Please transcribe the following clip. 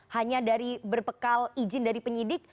hanya dari berpekal izin dari penyidik